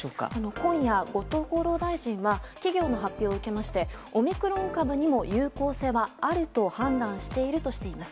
今夜、後藤厚労大臣は企業の発表を受けましてオミクロン株にも有効性はあると判断しているとしています。